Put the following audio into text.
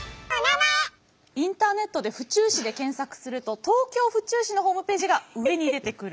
インターネットで「府中市」で検索すると東京・府中市のホームページが上に出てくる。